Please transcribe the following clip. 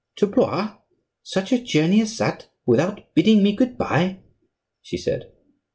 "To Blois! Such a journey as that without bidding me good bye!" she said.